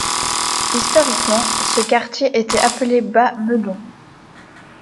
Historiquement, ce quartier était appelé Bas-Meudon.